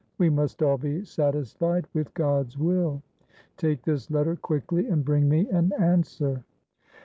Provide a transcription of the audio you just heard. We must all be satisfied with God's will. Take this letter quickly, and bring me an answer.'